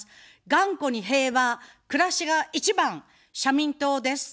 がんこに平和、くらしが一番、社民党です。